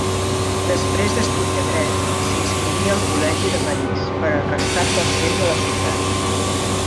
Després d'estudiar Dret, s'inscriví al col·legi de París, però restà poc temps a la ciutat.